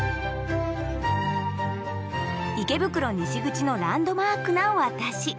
池袋西口のランドマークな私。